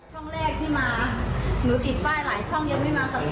ช่องแรกที่มาหนูติดป้ายหลายช่องยังไม่มากับ